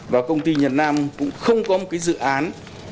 và công ty nhật nam cũng không có một cái dự án